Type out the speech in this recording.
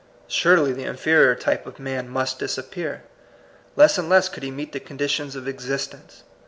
Surely the inferior type of man must disappear. Less and less could he meet the conditions of existence.